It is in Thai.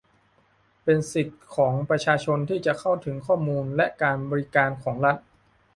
เป็นสิทธิของประชาชนที่จะเข้าถึงข้อมูลและการบริการของรัฐ